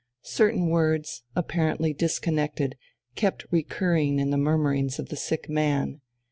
Certain words, apparently disconnected, kept recurring in the murmurings of the sick man.